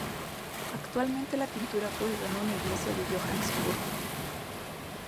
Actualmente la pintura cuelga en una iglesia de Johannesburgo.